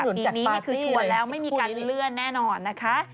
ปีนี้คือชวนแล้วไม่มีการเลื่อนแน่นอนนะคะ